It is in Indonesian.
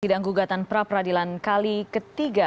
sidang gugatan pra peradilan kali ketiga